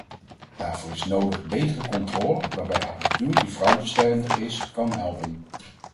Daarvoor is nodig betere controle waarbij apparatuur die fraudebestendig is, kan helpen.